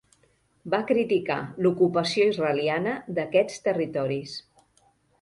Va criticar l'ocupació israeliana d'aquests territoris.